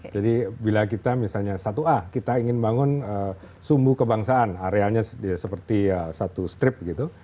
jadi bila kita misalnya satu a kita ingin bangun sumbu kebangsaan areanya seperti satu strip gitu